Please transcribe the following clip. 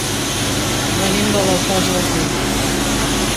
Venim de l'Alfàs del Pi.